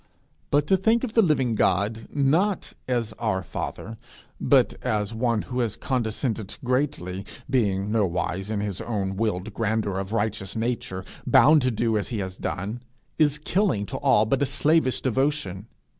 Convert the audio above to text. But to think of the living God not as our father, but as one who has condescended greatly, being nowise, in his own willed grandeur of righteous nature, bound to do as he has done, is killing to all but a slavish devotion.